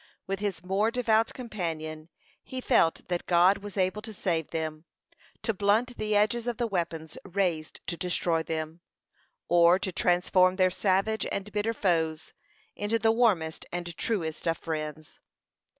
With his more devout companion, he felt that God was able to save them, to blunt the edges of the weapons raised to destroy them, or to transform their savage and bitter foes into the warmest and truest of friends.